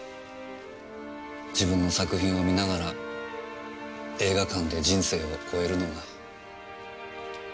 自分の作品を観ながら映画館で人生を終えるのが。